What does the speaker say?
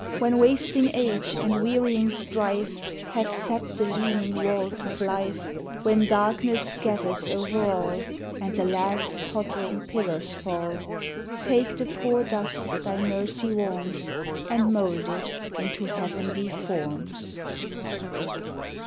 When wasting age and wearying strife Have sapped the leaning walls of life, When darkness gathers over all, And the last tottering pillars fall, Take the poor dust thy mercy warms, And mould it into heavenly forms!